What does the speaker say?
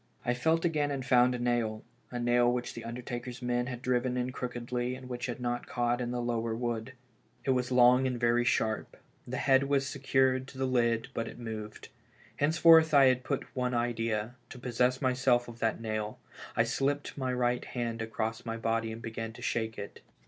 I felt again, and found a nail — a nail which the undertaker's men had driven in crookedly and which had not caught in the lower wood. It was long and very sharp; the head was secured to the lid, but it moved. Henceforth I had but one idea — to possess myself of that nail; and I slipped my right hand across my body and began to shake it.